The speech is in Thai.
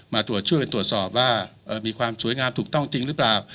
มาตรวจช่วยตรวจสอบว่ามีความสวยงามถูกต้องจริงหรือเปล่า